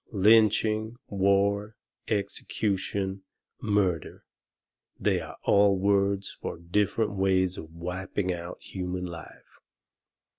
Lynching, war, execution, murder they are all words for different ways of wiping out human life.